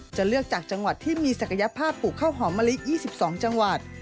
จะเลือกจากจังหวัดที่มีศักยภาพปลูกข้าวหอมมะลิ๒๒จังหวัด